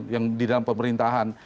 yang di dalam pemerintahan